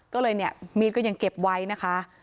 ก็เลยมีดก็ยังเก็บไว้นะคะ